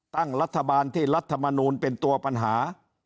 ตั้งรัฐบาลที่รัฐมนูลเป็นตัวปัญหา